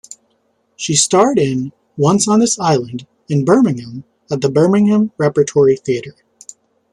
She starred in "Once on This Island" in Birmingham at the Birmingham Repertory Theatre.